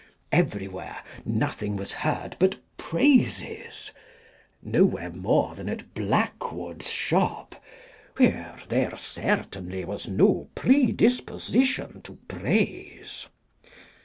Everywhere, nothing was heard but praises — nowhere more than at Blackwood's shop, where there certainly was no predisposition to praise.